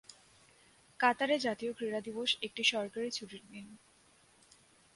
কাতারে জাতীয় ক্রীড়া দিবস একটি সরকারি ছুটির দিন।